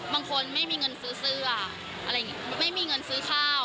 บางคนไม่มีเงินซื้อเซือค่า